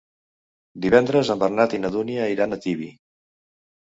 Divendres en Bernat i na Dúnia iran a Tibi.